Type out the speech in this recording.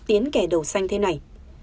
tiến kẻ đầu xanh thế này